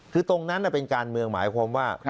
คือตรงนั้นเป็นการเมืองหมายความว่า